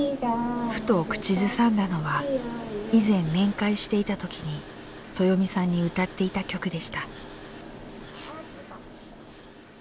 ふと口ずさんだのは以前面会していた時にトヨミさんに歌っていた曲でした。